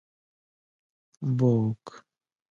book